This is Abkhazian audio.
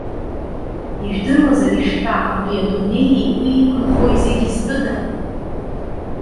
Ижәдыруазар ишәҳәа, абри адунеии, уи иқәынхои зегьы зтәыда?